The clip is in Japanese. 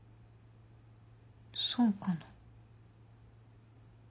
そうかな？